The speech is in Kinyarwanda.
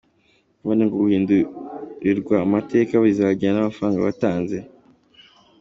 None ngo guhindurirwa amateka bizajyana n’amafaranga watanze?